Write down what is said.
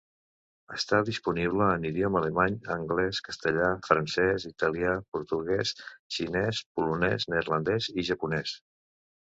Està disponible en idioma alemany, anglès, castellà, francès, italià, portuguès, xinès, polonès, neerlandès i japonès.